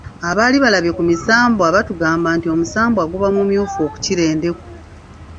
Abaali balabye ku misambwa batugamba nti omusambwa guba mumyufu okukira endeku.